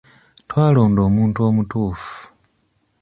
Twalonda omuntu omutuufu.